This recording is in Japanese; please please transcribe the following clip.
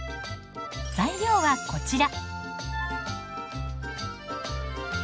材料はこちら。